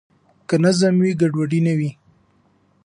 که نظم وي ګډوډي نه وي.